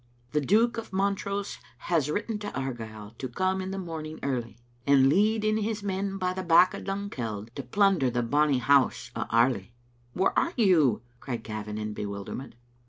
"The Duke of Montrose has written to Argyle To come in the morning early, An' lead in his men by the back o' Dunkeld To plunder the bonny house o' Airly." "Where are you?" cried Gavin in bewilderment.